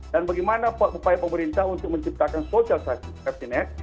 dan bagaimana upaya pemerintah untuk menciptakan social safety net